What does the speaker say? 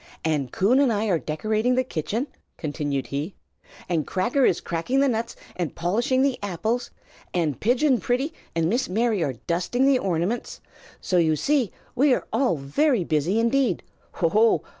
"And Coon and I are decorating the kitchen," continued he; "and Cracker is cracking the nuts and polishing the apples; and Pigeon Pretty and Miss Mary are dusting the ornaments, so you see we are all very busy indeed. Ho! ho!